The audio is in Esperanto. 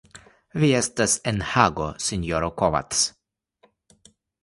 Vi estas en Hago, sinjoro Kovacs.